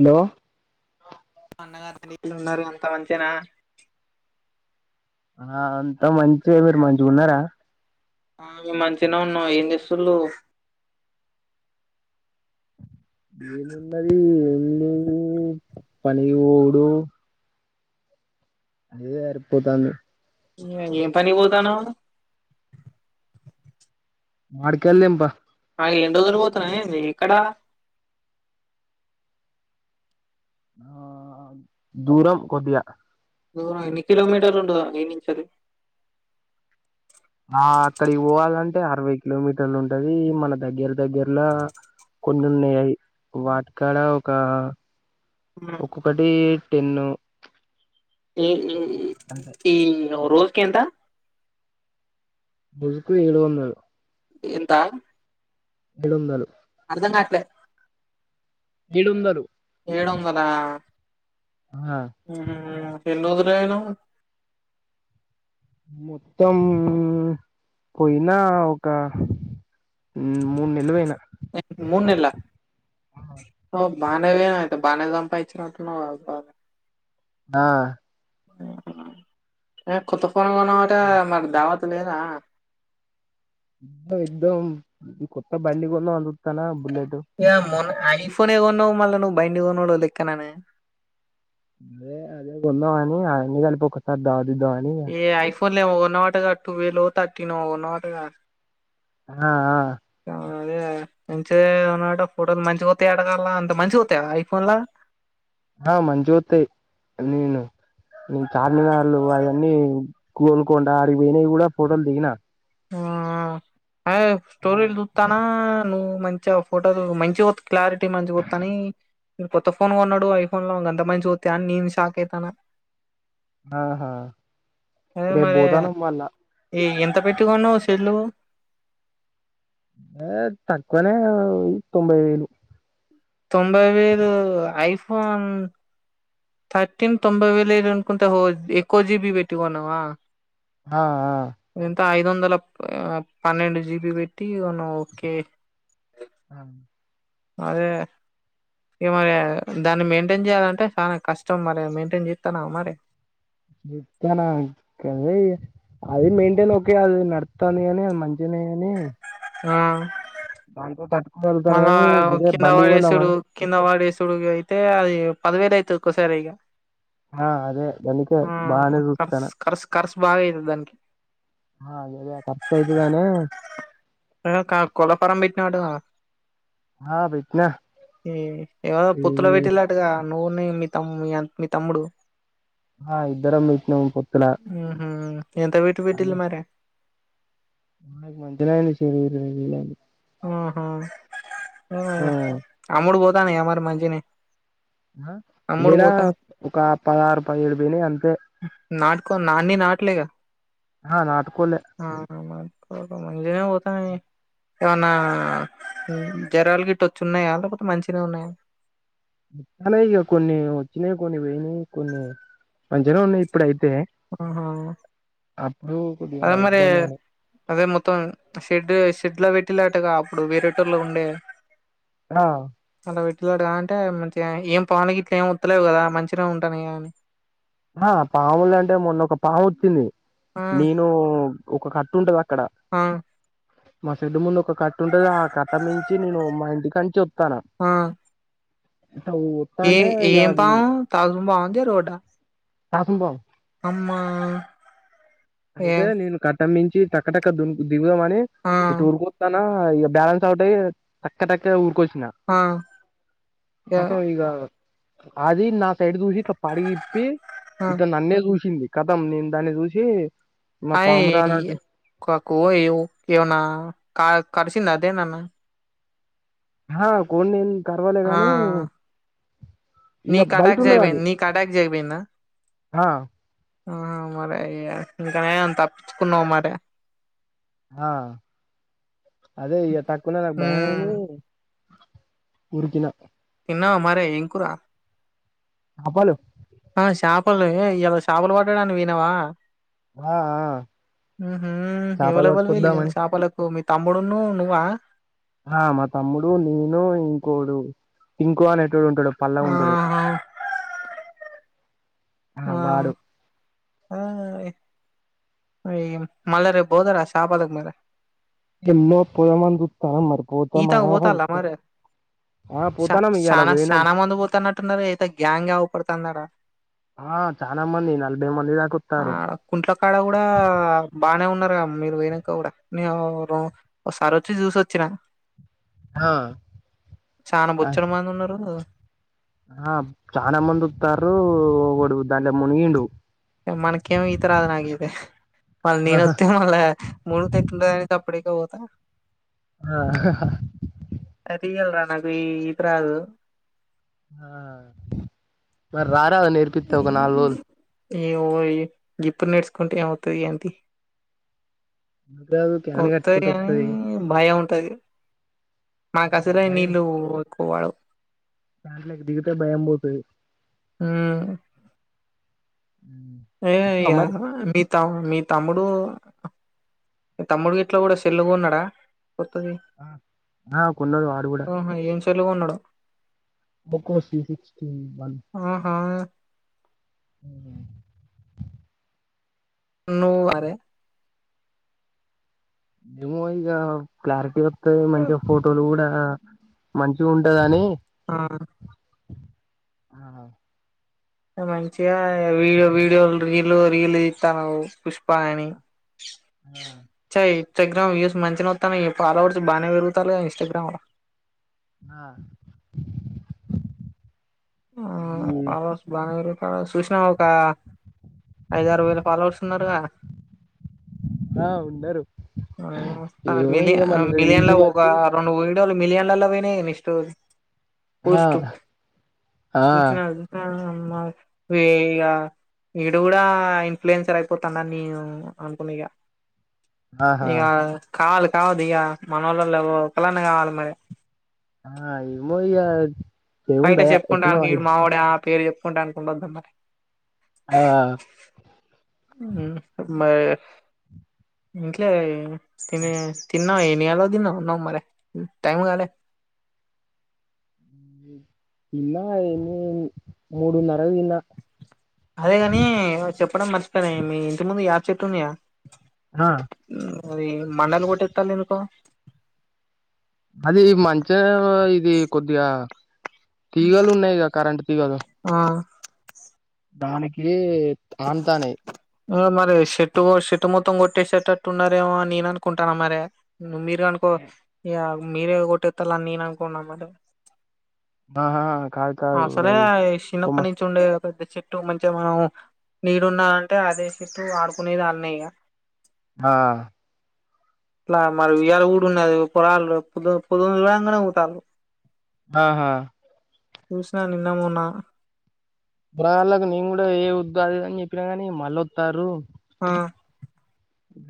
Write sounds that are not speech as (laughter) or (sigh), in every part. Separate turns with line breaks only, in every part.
hello
అన్నగారు ఎట్లున్నారు అంత మంచేనా
ఆ అంతా మంచే మీరు మంచిగున్నరా
ఆ మేమ్ మంచిగానే ఉన్నాం ఏం చేస్తుళు
ఏమున్నది ఏమ్ లెవ్ పనికిపోవుడు ఇదే సరిపోతంది
ఏం పనికి పోతాన్నావ్ నువ్
మాడికయల్ దెంప
ఆ ఏన్ని రోజులు పోతన్నావ్ ఏంది ఎక్కడ
ఆ దూరం కొద్దిగా
దూరం ఎన్ని కిలోమీటర్లు ఉంటది ఇన్నించెల్లి
ఆ అక్కడికి పోవాలంటే అరవై కిలోమీటర్లు ఉంటది మన దగ్గర దగ్గరలో కొన్ని ఉన్నాయ్ అయి వాటికాడ ఒక ఒక్కొక్కటి టెన్ను
ఏ ఏ ఈ రోజుకెంత
జుకు ఏడువందల్
ఎంత
ఏడొందలు
అర్ధంగాట్లే
ఎడొందలు
ఏడొందల
ఆ
ఎన్నోదిలయన
మొత్తం పోయినా ఒక మ్ మూడు నెల్లుపోయినా
ఎ మూన్నెల్లా ఓ బానే పోయినవ అయితే బానే సంపాదిం ఇచ్చినట్టున్నావు బాగా
ఆ
ఎ కొత్త ఫోన్ కొన్నావంటగా మరి దావత్ లేదా
ఇద్దం కొత్త బండి కొందామని చుత్తన బుల్లెట్
ఇగ మొన్న ఐఫోన్ ఏ కొన్నావు మళ్ళా నువ్వు బండికొన్నుడు ఒ లెక్కననే
అదే అదే కొందామని ఆన్ని కలిపి ఒక్కసారి దావత్ ఇద్దాం అని
ఏ ఐఫోన్లు ఏమొ కొన్నవంటగా టువెల్ ఒ థర్టీన్ ఒ కొన్నవంటగా
అ ఆ
అ అదే మంచిదె కొన్నావటగ ఫోటోలు మంచిగోత్తాయంతగా గళ అంత మంచిగోత్తాయ ఐఫోన్ల
ఆ మంచిగోత్తాయ్ నేను నేను చార్మినార్లు అవన్నీ గోల్కొండ అడికి పోయినవి కూడా ఫోటోలు దిగిన
ఆ అ అదే స్టోరీలు చూత్తానా నువ్వు మంచి మంచి ఫోటోలు మంచిగా క్లారిటీ మంచిగవత్తనాయ్ మీ కొత్త ఫోన్ కొన్నాడు ఐఫోన్లో ఉందంట మంచిగోత్తయని అని నే షాక్ అయ్యతన
ఆహా
అదే
రేపు
మరి
పోతానం మళ్ళా
ఈ ఎంత పెట్టుకోన్నావ్ సెల్లు
ఏ తక్కువనే తొంభై వేలు
తొంభై వేళ్ళు ఐఫోన్ థర్టీన్ తొంభై వేల లేదనుకుంటా ఒ ఎక్కువ జీబీ పెట్టికొన్నావ
అ ఆ
ఎంత ఐదు వందల పన్నెండు జీబి పెట్టి కొన్నావ్ ఓకే
అవు
అదే ఇగ మరి దాన్ని మెయింటైన్ జేయాలంటే చన కష్టం మరి మెయింటెయిన్ చేత్తనవమరి
ఇత్తనా కద అది మెయింటైన్ ఓకే అది నడుత్తాంది గాని అది మంచినే అని
ఆ
దాంతో తట్టుకోగలుగుతాన కాని ఇదే బండి కొందామని
కిందవడే సుడుగయితే అది పదివేలు అయితది ఒక్కోసారి
ఆ అదే దానికే బానే చూస్తనా
కర్స్ బాగ అయింది దానికి
ఆ అది కప్తాతుదనేే
ఆ క కోళ్ల ఫారం పెట్టినావుటగ
ఆ పెట్నా
ఏ ఏవోల పొత్తుల పెట్టిళ్లట్టగా నువ్వు నీ మీ తమ్ మీ తమ్ముడు
ఆ ఇద్దరం పెట్టినాం పొత్తుల
హ్మ్ హు ఎంత వీటి పెట్టిల్లు మరి
మకు మంచి సెరి ఇరవై వేలు అయింది
ఆహ
ఆ
అమ్ముడు పోతాంది ఇగ మరి మంచిగనె
ఆ ఏడా ఒక పదహారు పదిహేడు పోయినా అంతే
నాటుకో అన్ని నాట్లేగ
ఆ నాటుకోలే
మ మంచిగానే పోతనాయ్ ఏమన జరాలు గిట్ వచ్చిన్నాయా లేకపోతే మంచిగానే ఉన్నాయ
ఇగ కొన్ని వచ్చినయి కొన్ని వేయినాయి కొన్ని మంచిగానే ఉన్నాయి ఇప్పుడ అయితే
ఆహా
అప్పుడు కొద్దిగా
అదే మరి
ఇబ్బంది అయినయ్
అదే మొత్తం షెడ్ షెడ్ లో పెట్టి (unintelligible) అప్పుడు వేరేటూర్లో ఉండే
ఆ
అంట పెట్టినాడు కా అంటే మంచిగా ఏం పాములు కి ఇట్ల ఏం వత్తలేవు కదా మంచిగా ఉంటా (unintelligible) గానీ
ఆ పాము లే అంటే మొన్న ఒక పాము వచ్చింది
ఆ
నేను ఒక కట్ట ఉంటది అక్కడ
ఆ
మా షేడ్ ముందు ఒక కట్ట ఉంటది ఆ కట్ట మించి నేను మా ఇంటి కనించి వస్తాన
ఆ ఏ ఏం పాము త్రాసుపామ జెరుగోడ్డ
(unintelligible)
అమ్మా ఏ
అయితే నేను కట్టంమించి టకటక (unintelligible) దిగుదామని
ఆ
ఇటు ఉరు (unintelligible) ఒకటి టక్క టక్క ఊరుకొసిన
ఆ
కతం ఇగ అది నా సైడ్ చూసి ఇగ పడిగి ఇప్పి
ఆ
(unintelligible) నన్నే చూసింది కతం నేను దాన్ని చూసి మా పామురా నాటి
(unintelligible) ఏమనా కడిసింద (unintelligible)
ఆ కోడి నేను కర్వలే
ఆ
గానీ
నీకు ఎటాక్ చేయ బోయింద
ఆ
ఆ మరి అయ్యా ఇంకానే తప్పించుకున్నావు మరి
ఆ అదే ఇక తక్కువన్నా నాకు భయం
ఉమ్
అయింది ఉరికిన
తీన్నావా మరి ఏం కూర
చాపలు
ఆ చాపలు (unintelligible) చాపలు పట్టాడానికి పోయినవా
ఆ ఆ
ఎవలు
చేపలు
ఎవలు పోయింళ్ళు ఇవాళ
పట్టుకొద్దామని
చాపలకు మీ తమ్ముడును నువ్వ
ఆ మా తమ్ముడు నేను ఇంకోడు ఇంకో అనేటోడు ఉంటాడు (unintelligible) ఉంటాడు
ఆహా
ఆ వాడు
ఆ మళ్ళి రేపు పోతర చాపలకు మరి
ఎమ్మో పొదమనీ చూస్తు (unintelligible)
ఈతకు పోతల మరి
ఆ పోతానం ఇయ్యాల
శానా
పోయినం
శాన మంది పోతా అంటున్నార అయితే గ్యాంగ్ (unintelligible) పడుతుంది అడా
ఆ చన మంది నలభై మంది దాక
ఆ
వత్తారు
కుంట్ల కాడ కూడ బానే ఉన్నారు మీరు పోయినంక కూడ ఓసారి వచ్చి చూసోచ్చిన
ఆ
చన బొచ్చడు మంది ఉన్నారు
ఆ చన మంది వత్తారు ఒకడు దానిలో మునిగిండు
మనకేమో ఈత రాదు నాగతే మళ్ళ
ఆహా
నేనొస్తే మళ్ళ (unintelligible) అప్పుడేక పోత
ఆ
అ రల్రా నాకు ఈత రాదు
ఆ మరి రారాదు నేర్పిస్తా ఒక నాలుగు రోజులు
ఏమోయ్ ఇప్పుడు నేడుచుకుంటే ఏమోత్తది గాని తీయ్
ఎందుకు రాదు క్యాన్
వత్తది
కట్టుకుంట
కానీ
వత్తది
భయం ఉంటది మనకు అసలే
భయం
నీళ్ళు ఎక్కువ పడవు
దాంట్లోకి దిగితే భయం పోతది
మ్మ్ ఏం ఈగ
మరి
మీ తమ్ మీ తమ్ముడు తమ్ముడు గిట్ల కూడా సెల్లు కొన్నాడా కొత్తది
ఆ ఆ కొన్నోడు వాడు కూడా
ఆహా ఏం సెల్లుగా కోన్నాడో
ఓకోసి సిక్స్టీ వన్
ఆహా
అ
నువ్వు అరే
ఏమో ఈగ క్లారిటీ వతది మంచిగా ఫోట టలు కూడా మంచిగా ఉంటదని
ఆ
ఆ
మంచిగా వీడియో వీడియో రీలు రీలు తీస్తానవు పుష్ప అని
ఆ
స ఇన్స్టాగ్రామ్ వ్యూస్ మంచినే వస్తానయ్ ఈ ఫాలోవర్స్ బాగానే పెరుగుతాల్లుగా ఇన్స్గ్రామ్ల
ఆ ఈ,
ఫాలోవర్స్ బానే పెరుగుతాలుగా చూసిన ఒక ఐదారు వేల ఫాలోవర్స్ ఉన్నారుగా
ఆ ఉన్నారు ఏమో
మిలి
ఇక మన
మిలియన్ల
రీల్స్
ఒక
బట్టి
రెండు వీడియోలు మిలియన్లలో పోయినా నెక్స్ట్
ఆ
పోస్టు
ఆ
చూసిన ఇగ అమ్మ ఇగ వీడు కూడా ఇన్ఫ్లయెన్సర్ అయిపోతాండని అనుకన్న ఇక
ఆహా
ఇక కావాలి కావదా ఇక మన వాళల్లో ఒకలాన్న కావాలి మరి
ఆ ఏమో ఇగ
బయట చెప్పుకుంటాడానికి వీడు మావోడే ఆ పేరు చెప్పుకుంటాడానికి ఉండోద్దా మరి
ఆ
మరి ఇంట్లే తిని తిన్నావు ఎన్ని గంటలకు తిన్నావు అన్నం మరి టైం కాలే
ఇలా ఎన్ని మూడున్నరకు తిన్న
అదే కాని చెప్పడం మర్చిపోయిన మీ ఇంటి ముందు యాప చెట్టు ఉంది కదా
ఆ
అది మండల్ కొట్టేత్తాలు ఎందుకో
అది మంచిగా ఇది కొద్దిగా తీగాలు ఉన్నాయి కరెంట్ తీగాలు
ఆ
దానికి ఆనుతానయ్
ఓ మరి షెట్టు షెట్టు మొత్తం కొట్టేషటట్టు ఉన్నారేమో నేననుకుంటానా మరి నువ్వు మీరు అనుకో ఇగ మీరే కొట్టేత్తాలని నేను అనుకున్నా మరి
ఆహా కాదు
అ
కాదు
సలే
అది కొమ్మ
చిన్నప్పటి నుంచి ఉండే పెద్ద చె ఇటు మంచిగా మనం నీడు ఉన్నంటే ఆదే చేట్టు ఆడుకునేది అన్నే ఇగ
ఆ
ఇలా మరి ఈయాల గూడా ఉన్నది పొరాళ్లు పోదు పొద్దుగూడం గనే పోతల్లు
ఆహా
చూసిన నిన్నమోన్న
పోరగాళ్ళకి నేను కూడా ఏ వద్దు అది అని చెప్పినా కాగానీ మళ్ళొతారు
ఆ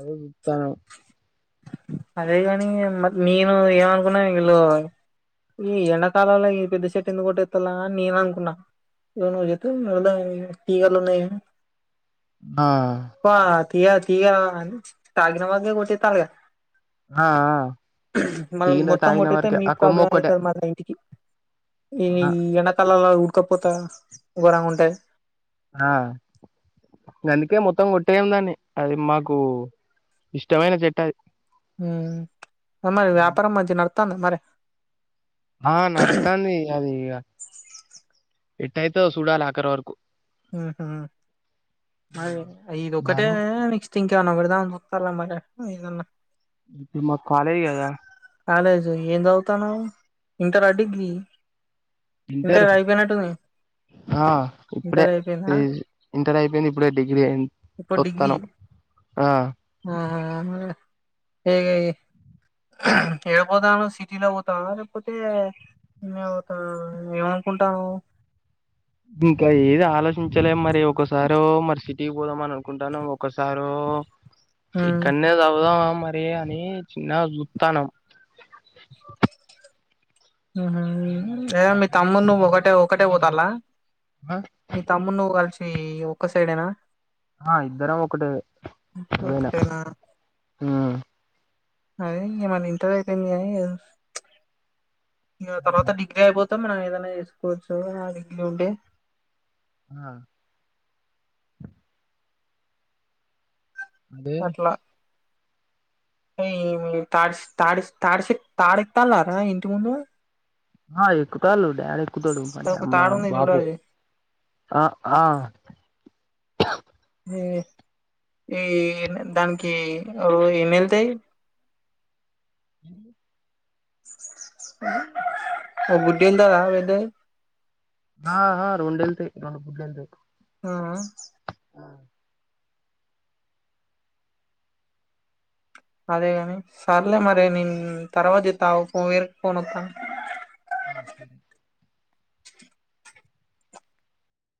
అదే చూత్తన్న
అదే గానిగా మార్ నేను ఏమనుకున్నా ఇళ్లు ఈ ఎండాకాలంల ఈ పెద్ద చెట్టు ఎందుక కొట్టేత్తాల అని నేను అనుకున్నా (unintelligible) తీటీగాలున్నా
ఆ
పా తీయ తీగా తగినవరకే కొట్టతాళ్ళు గాదా
ఆ ఆ
మనం
తాగిన
మొత్తం
తాగిన
కొట్టేతే
వరకే
మీ
ఆ కొమ్మ
ప్రాబ్లం
ఒక్కటే
అయితాది మళ్ళ ఇంటికి ఈ
ఆ
ఎండాకాలంల ఉడకపోత ఘోరంగా ఉంటాది
ఆ అందుకే మొత్తం కొట్టాయం దాన్ని అది మాకు ఇష్టమైన చెట్టు అది
హ్మ్ (unintelligible) మరి వ్యాపారం మంచిగా నడుతంద మరి
ఆ నడుతంది ఇగ అది ఇగ ఎట్ట అయితదో చూడాలి ఆఖరి వరకు
ఉహు హం మరి ఇదొక్కటే
బానే ఉంది
నెక్ నెక్స్ట్ ఇంకేమైనా పెడదామని చూతల్లా మటన్ ఏదన్నా
మా కాలేజ్ గాదా
కాలేజ్ ఏం చదువుతన్నావ్ ఇంటర డిగ్రీ
ఇంటర్ ఆ ఇప్పుడే
ఇంటర్ అయిపోయిందా
ఏజ్ ఇంటర్ అయిపోయింది ఇప్పుడే డిగ్రీ అయ్యింది
ఇప్పుడు డిగ్రీ ఆ ఈగ ఏళపోతానవు సిటీలో పోతన్నవ లేకపోతే (unintelligible) నువ్వు ఏం అనుకుంటన్నావ్
ఇంకా ఏది ఆలోచించలే మరి ఒక్కసారి ఏమో మరి సిటీకి పోదాం అనుకు కుంటాను ఒకసారో
హ్మ్
ఇక్కడనే చవుదామా మరి అే అని చిన్నగా చూత్తనం
ఊహూ ఏ మీ తమ్ముడు నువ్వు ఒకటే
ఆ
నీ తమ్ముడు నువ్వు కలిసి ఒక్క సైడేనా
ఆ ఇద్దరం ఒకటి (unintelligible)
ఒకటేనా
హ్మ్
అదే ఇంక మన ఇంటర్ అయిపోయింది గాని ఇగ తర్వాత డిగ్రీ అయిపోతే మనం ఏదైనా చేసుకోవచ్చు ఆ డిగ్రీ ఉంటే
ఆ దే
ఏం లేదు తాడిష్ తాడిష్ తాడిష్ తాడెక్కి తల్లారా ఇంటి ముందు
ఆ ఎక్కుతాల్లు డాడీ ఎక్కుతడు
అదొక
అమ్మ
తాడు ఉంది చూడు
బాబూ
అది
ఆ ఆ
ఈ ఈ దానికి ఓ ఎన్ని ఎళ్తాయి ఒక గుడ్డు ఎల్తదా పెద్దది
ఆ హా రొండు ఎళ్తాయి రొండు గుడ్లు ఎల్తాయి
ఆ అదే గాని సర్లే మరి నేను తర్వాత జేత్త ఆగు ఫో వేరే ఫోన్ వత్తుంది
ఆ సరే